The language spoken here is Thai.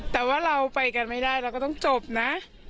แต่ว่าเราไปกันไม่ได้เราก็ต้องจบนะ